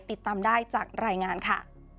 ติดตามได้จากรายงานค่ะ